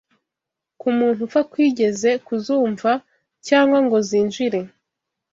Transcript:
k’umuntu upfa kwigeze kuzumva cyangwa ngo zinjire